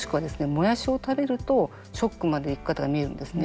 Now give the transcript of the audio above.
もやしを食べるとショックまで行く方がみえるんですね。